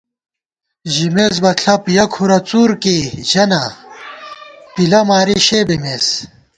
ژِمېس بہ ݪَپ ،یَہ کھُرہ څُور کېئ ژَہ نا، پِلہ ماری شےبِمېس